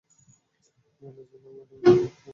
আমি বলেছিলাম, এটা মাফিয়াদের আস্তানা।